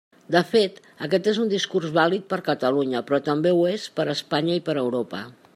De fet, aquest és un discurs vàlid per Catalunya, però també ho és per Espanya i per Europa.